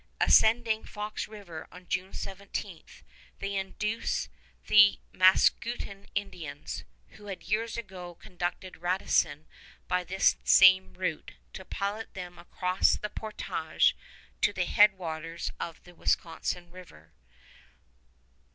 Ascending Fox River on June 17, they induce the Mascoutin Indians, who had years ago conducted Radisson by this same route, to pilot them across the portage to the headwaters of the Wisconsin River.